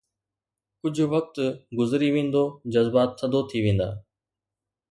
ڪجهه وقت گذري ويندو، جذبات ٿڌو ٿي ويندا.